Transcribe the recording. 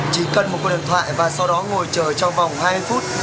chỉ cần một cuộc điện thoại và sau đó ngồi chờ trong vòng hai mươi phút